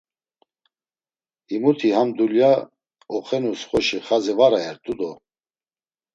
Himuti ham dulya oxenus xoşi xazi var ayert̆u do!